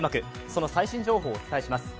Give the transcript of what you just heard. その最新情報をお伝えします。